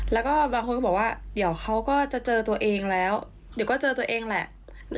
แล้วก็บางคนก็บอกว่าเดี๋ยวเขาก็จะเจอตัวเองแล้วเดี๋ยวก็เจอตัวเองแหละ